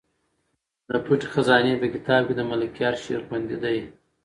د پټې خزانې په کتاب کې د ملکیار شعر خوندي دی.